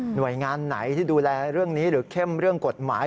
หน่วยงานไหนที่ดูแลเรื่องนี้หรือเข้มเรื่องกฎหมาย